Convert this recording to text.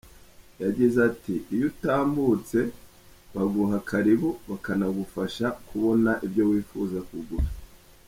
Yagize ati “iyo utambutse baguha karibu bakanagufasha kubona ibyo wifuza kugura.